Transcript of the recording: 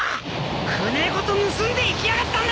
船ごと盗んでいきやがったんだ！